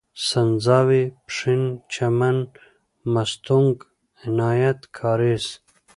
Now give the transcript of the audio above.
سنځاوۍ، پښين، چمن، مستونگ، عنايت کارېز